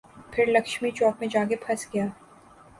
پھر لکشمی چوک میں جا کے پھنس گیا۔